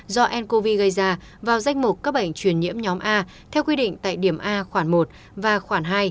do ncov gây ra vào danh mục các bệnh truyền nhiễm nhóm a theo quy định tại điểm a khoản một và khoản hai